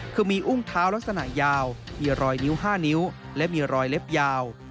คือมีอุ้งเท้าลักษณะยาวมีรอยนิ้ว๕นิ้วและมีรอยเล็บยาว